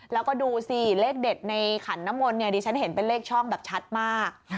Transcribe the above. แล้วก็ดูสิเลขเด็ดในขันน้ำมนต์เนี่ยดิฉันเห็นเป็นเลขช่องแบบชัดมาก